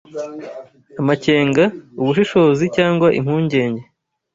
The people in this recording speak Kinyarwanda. Amakenga: ubushishozi cyangwa impungenge